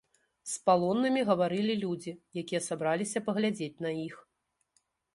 З палоннымі гаварылі людзі, якія сабраліся паглядзець на іх.